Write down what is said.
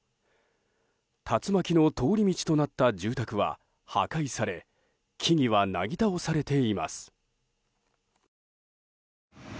竜巻の通り道となった住宅は破壊され木々はなぎ倒されています。